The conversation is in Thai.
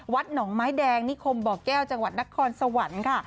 หนองไม้แดงนิคมบ่อแก้วจังหวัดนครสวรรค์ค่ะ